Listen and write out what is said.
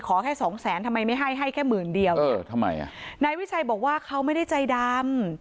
แค่สองแสนทำไมไม่ให้ให้แค่หมื่นเดียวเออทำไมอ่ะนายวิชัยบอกว่าเขาไม่ได้ใจดำ